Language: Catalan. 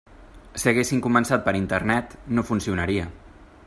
Si haguessin començat per Internet, no funcionaria.